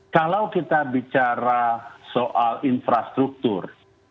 kalau kita bicara soal infrastruktur